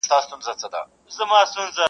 اقتدا مي پسي کړې زما امام دی ما منلی -